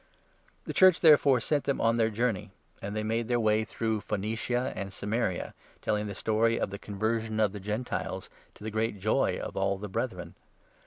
The Church, therefore, sent them on their journey, and they 3 made their way through Phoenicia and Samaria, telling the story of the conversion of the Gentiles, to the great joy of all the Brethren.